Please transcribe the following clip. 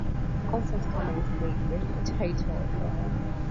Constance Cummings played the title role.